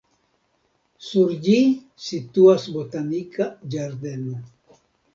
Sur ĝi situas botanika ĝardeno.